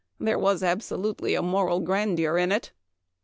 There was absolutely a moral grandeur in it.